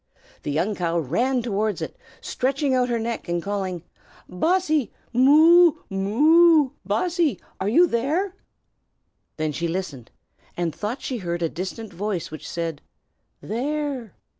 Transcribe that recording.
The young cow ran towards it, stretching out her neck, and calling, "Bossy! Moo! moo! Bossy, are you there?" Then she listened, and thought she heard a distant voice which said, "There!"